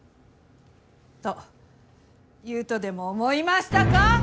と言うとでも思いましたか！？